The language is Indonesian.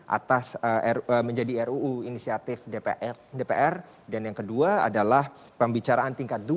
atas menjadi ruu inisiatif dpr dan yang kedua adalah pembicaraan tingkat dua